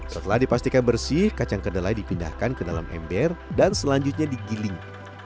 setelah dipastikan bersih kacang kedelai dipindahkan ke dalam ember dan selanjutnya digiling